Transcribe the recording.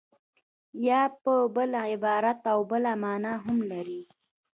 یا په بل عبارت بله مانا هم لري